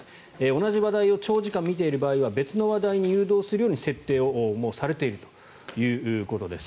同じ話題を長時間見ている場合は別の話題に誘導するように設定をもうされているということです。